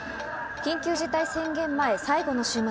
緊急事態宣言前、最後の週末。